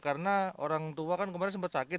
karena orang tua kan kemarin sempat sakit